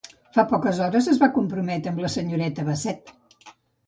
Fa poques hores es va comprometre amb la senyoreta Bassett.